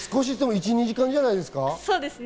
１２時間じゃないですか？